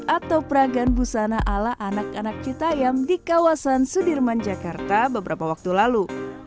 atau peragan busana ala anak anak citayam di kawasan sudirman jakarta beberapa waktu lalu